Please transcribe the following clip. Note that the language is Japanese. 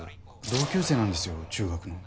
同級生なんですよ中学の。